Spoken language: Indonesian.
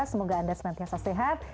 semoga anda semangatnya sesehat